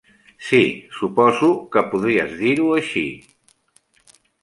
Sí, suposo que podries dir-ho així.